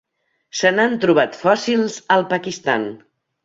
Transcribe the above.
Se n'han trobat fòssils al Pakistan.